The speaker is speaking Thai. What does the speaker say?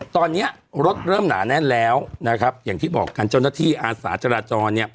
ตอนนี้รถเริ่มหนาแน่นแล้วนะครับอย่างที่บอกกันเจ้าหน้าที่อาสาจราจรเนี่ย